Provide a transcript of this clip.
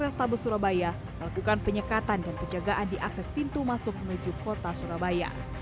restabes surabaya melakukan penyekatan dan penjagaan di akses pintu masuk menuju kota surabaya